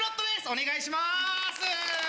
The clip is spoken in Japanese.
お願いします。